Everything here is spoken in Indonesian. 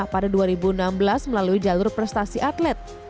pada dua ribu enam belas melalui jalur prestasi atlet